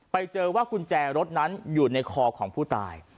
ไปเจอว่ากุญแจรถนั้นอยู่ในคอของผู้ตาย